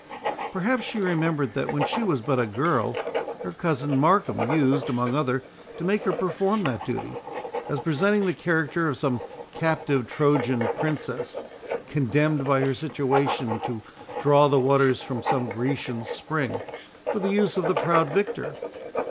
Perhaps she remembered, that when she was but a girl, her cousin Markham used, among others, to make her perform that duty, as presenting the character of some captive Trojan princess, condemned by her situation to draw the waters from some Grecian spring, for the use of the proud victor.